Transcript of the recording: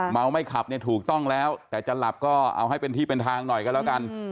ไม่ขับเนี่ยถูกต้องแล้วแต่จะหลับก็เอาให้เป็นที่เป็นทางหน่อยก็แล้วกัน